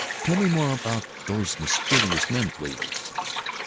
"Tell me more about those mysterious men, please."